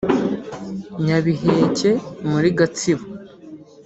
Nyabiheke muri Gatsibo